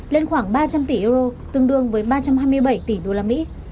lên khoảng ba trăm linh tỷ euro tương đương với ba trăm hai mươi bảy tỷ đô la mỹ